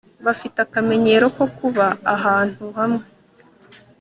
bafite akamenyero ko kuba ahantu hamwe